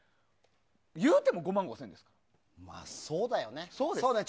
いうても５万５０００円ですよ。